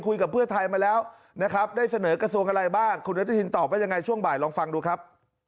คุณหนุทีนตอบว่าอย่างไรช่วงบ่ายลองฟังดูครับ